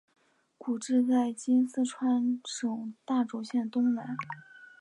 故治在今四川省大竹县东南。